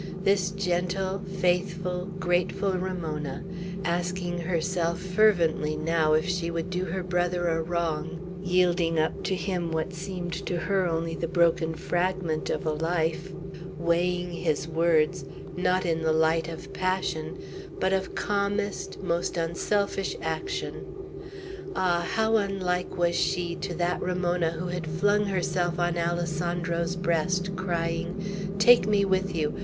This gentle, faithful, grateful Ramona, asking herself fervently now if she would do her brother a wrong, yielding up to him what seemed to her only the broken fragment of a life; weighing his words, not in the light of passion, but of calmest, most unselfish action, ah, how unlike was she to that Ramona who flung herself on Alessandro's breast, crying, "Take me with you!